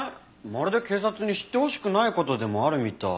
まるで警察に知ってほしくない事でもあるみたい。